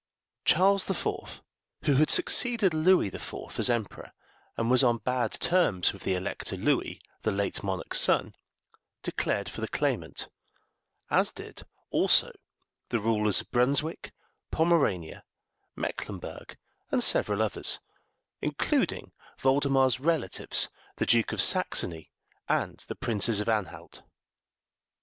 Charles the Fourth, who had succeeded Louis the Fourth as emperor, and was on bad terms with the Elector Louis, the late monarch's son, declared for the claimant, as did also the rulers of Brunswick, Pomerania, Mecklenburg, and several others, including Voldemar's relatives, the Duke of Saxony and the Princes of Anhalt.